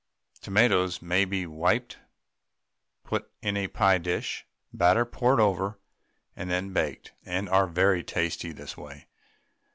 Tomatoes may be wiped, put in a pie dish, batter poured over, and then baked, and are very tasty this way.